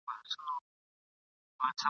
نور د تل لپاره ولاړ سي تش چرتونه در پاتیږي !.